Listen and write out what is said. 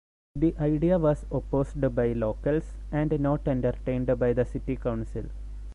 The idea was opposed by locals and not entertained by the city council.